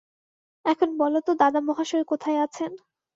এখন বলো তো দাদামহাশয় কোথায় আছেন।